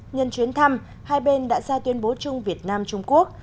nhân chuyến thăm hai bên đã ra tuyên bố chung việt nam trung quốc